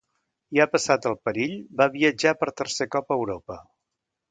Ja passat el perill va viatjar per tercer cop a Europa.